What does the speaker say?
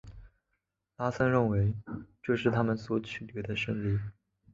拉森认为这是他们所取得的胜利。